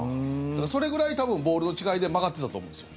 それぐらいボールの違いで曲がってたと思うんですよ。